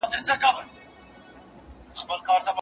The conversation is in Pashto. چا د دې آيت تفسير کړی دی؟